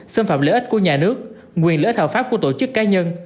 xâm phạm lợi ích của nhà nước quyền lợi ích hợp pháp của tổ chức cá nhân